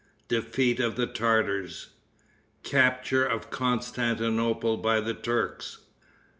Defeat of the Tartars. Capture of Constantinople by the Turks.